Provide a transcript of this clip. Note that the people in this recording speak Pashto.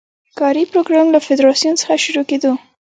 کاري پروګرام له فدراسیون څخه شروع کېدو.